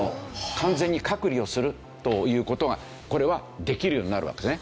完全に隔離をするという事がこれはできるようになるわけですね。